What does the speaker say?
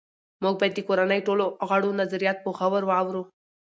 موږ باید د کورنۍ ټولو غړو نظریات په غور واورو